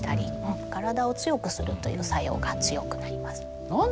体を強くするという作用が強くなります。